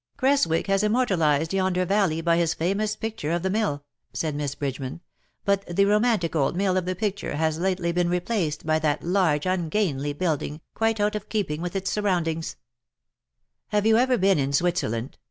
" Creswick has immortalized yonder valley by his famous picture of the mill," said Miss Bridgeman, " but the romantic old mill of the picture has lately been replaced by that large ungainly building, quite out of keeping with its surroundings." ^'tIXTAGEL, half IX SEA, AST) HALF OX LAND." 79 '' Have you ever been in Switzerland